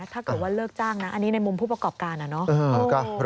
ถ้าเกิดว่าเลิกจ้างนะอันนี้ในมุมผู้ประกอบการอะเนาะ